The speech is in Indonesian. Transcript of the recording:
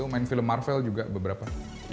main film marvel juga beberapa